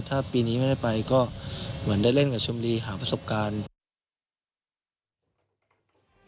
ถ้าปีนี้ไม่ได้ไปก็เหมือนได้เล่นกับชมรีหาประสบการณ์